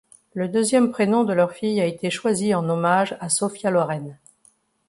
Le deuxième prénom de leur fille a été choisi en hommage à Sophia Loren.